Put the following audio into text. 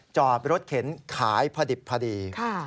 จอดรถเข็นขายพอดิบพอดี